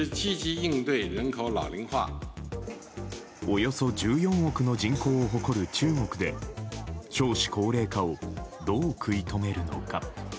およそ１４億の人口を誇る中国で少子高齢化をどう食い止めるのか。